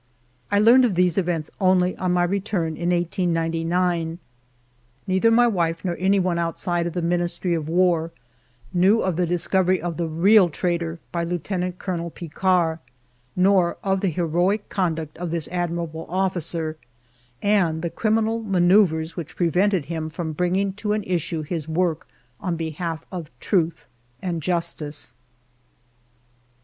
I learned of these events only on my return in 1899. Neither my wife nor any one outside of the Ministry of War knew of the discovery of the 240 FIVE YEARS OF MY LIFE real traitor by Lieutenant Colonel Picquart, nor of the heroic conduct of this admirable officer, and the criminal manoeuvres which prevented him from bringing to an issue his work on behalf of truth and justice.